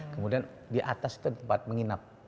kemudian di atas itu tempat menginap